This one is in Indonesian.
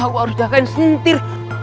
aku harus jagain sentir